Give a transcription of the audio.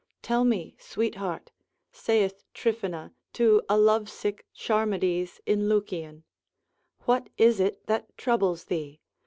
Tell me, sweetheart (saith Tryphena to a lovesick Charmides in Lucian), what is it that troubles thee?